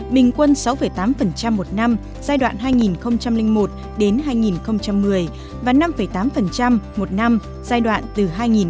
bình quân sáu tám một năm giai đoạn hai nghìn một đến hai nghìn một mươi và năm tám một năm giai đoạn hai nghìn một mươi một hai nghìn hai mươi